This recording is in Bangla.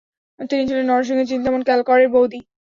তিনি ছিলেন নরসিংহ চিন্তামন কেলকরের বৌদি।